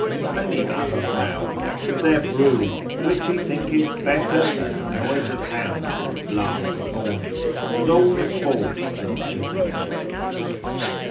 and many other fowl, with their brood, which he thinketh better than the noise of hounds, or blast of horns, and all the sport that they can make.